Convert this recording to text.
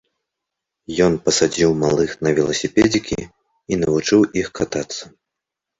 Ён пасадзіў малых на веласіпедзікі і навучыў іх катацца.